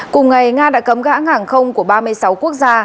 cùng ngày nga đã cấm gã hàng không của ba mươi sáu quốc gia